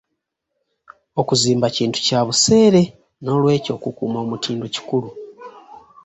Okuzimba kintu kya buseere n'olw'ekyo okukuuma omutindo kikulu.